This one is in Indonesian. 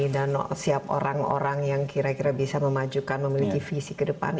dan siap orang orang yang kira kira bisa memajukan memiliki visi ke depan